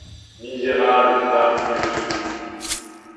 Misérable femme que je suis!